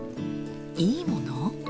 いいもの？